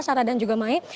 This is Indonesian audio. sarah dan juga maed